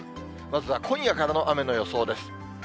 まずは今夜からの雨の予想です。